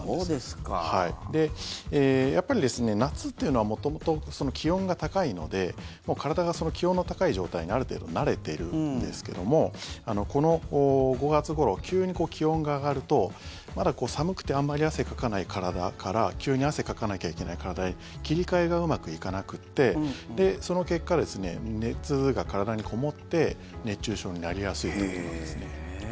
で、やっぱり夏というのは元々気温が高いのでもう体が気温の高い状態にある程度慣れているんですけどもこの５月ごろ急に気温が上がるとまだ寒くてあまり汗かかない体から急に汗かかなきゃいけない体に切り替えがうまくいかなくてその結果、熱が体にこもって熱中症になりやすいということなんです。